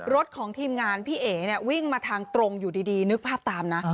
รถของทีมงานพี่เอ๋เนี่ยวิ่งมาทางตรงอยู่ดีนึกภาพตามนะ